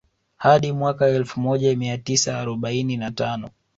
Hadi mwaka Elfu moja mia tisa arobaini na tano